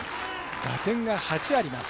打点が８あります。